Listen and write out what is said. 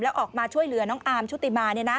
แล้วออกมาช่วยเหลือน้องอาร์มชุติมา